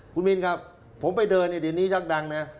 คุณมินครับผมไปเดินเดี๋ยวนี้ช่างดัง